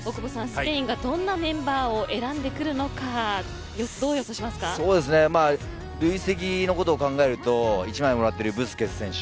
スペインがどんなメンバーを選んでくるのかそうですね累積のことを考えると１枚もらっているブスケツ選手。